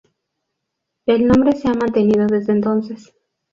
El nombre se ha mantenido desde entonces.